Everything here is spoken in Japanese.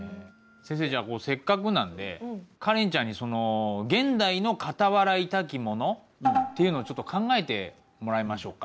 先生じゃあせっかくなんでカレンちゃんにその現代のかたはらいたきものっていうのをちょっと考えてもらいましょうか。